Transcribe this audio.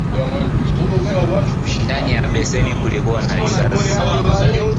Ndani ya beseni kulikua na risasi